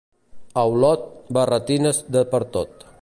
A Olot, barretines de pertot.